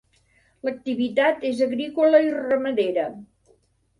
L'activitat és agrícola i ramadera.